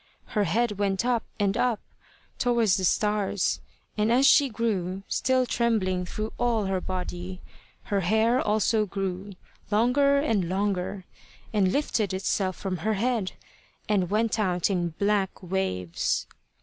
Her head went up and up towards the stars; and as she grew, still trembling through all her body, her hair also grew longer and longer, and lifted itself from her head, and went out in black waves.